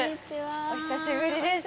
お久しぶりです。